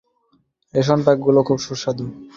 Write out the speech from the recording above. Ration প্যাকগুলো খুব সুস্বাদু নয়।